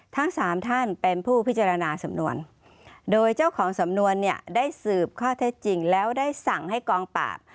ทั้งสามท่านเป็นผู้พิจารณาสำนวนโดยเจ้าของสำนวนเนี่ยได้สืบข้อเท็จจริงแล้วได้สั่งให้กองปราบ